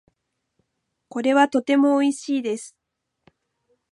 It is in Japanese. これはとても美味しいです。